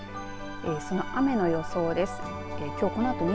その雨の予想です。